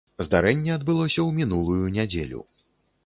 Здарэнне адбылося ў мінулую нядзелю.